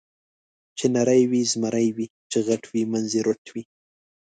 چې نری وي زمری وي، چې غټ وي منځ یې رټ وي.